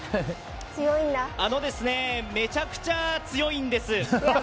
めちゃくちゃ強いんです！